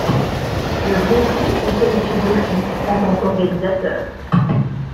Le Brésil est qualifiée d'office en tant qu'organisateur.